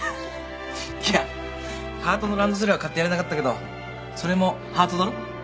いやハートのランドセルは買ってやれなかったけどそれもハートだろ？